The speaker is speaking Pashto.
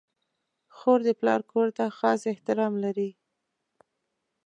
خور د پلار کور ته خاص احترام لري.